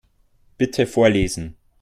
Bitte vorlesen.